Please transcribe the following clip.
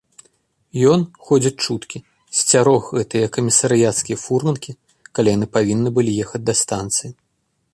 Ён, ходзяць чуткі, сцярог гэтыя камісарыяцкія фурманкі, калі яны павінны былі ехаць да станцыі.